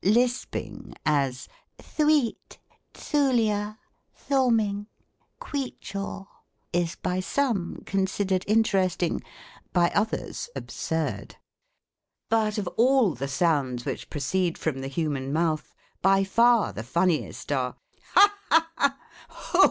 Lisping, as, Ihweet, Dthooliur, thawming, kwecchau, is by some considered interesting, by others absurd. But of all the sounds which proceed from the human mouth, by far the funniest are Ha! ha! ha! — Ho! ho!